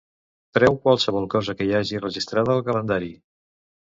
Treu qualsevol cosa que hi hagi registrada al calendari.